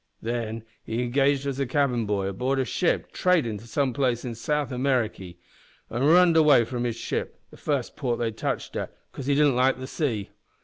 Then he engaged as a cabin boy aboard a ship tradin' to some place in South America, an' runned away from his ship the first port they touched at 'cause he didn't like the sea.